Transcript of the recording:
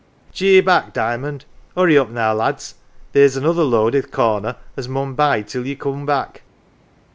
Gee back, Diamond ! Hurry up, now, lads ; theer's another load i th 1 corner, as mun bide till ye coom back."